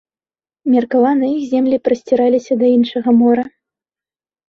Меркавана іх землі прасціраліся да іншага мора.